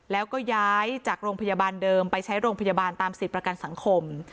แล้วก็ย้ายจากโรงพยาบาลเดิมไปใช้โรงพยาบาลตามสิทธิ์ประกันสังคม